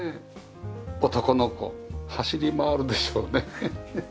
男の子走り回るでしょうね。